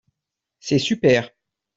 C'est super.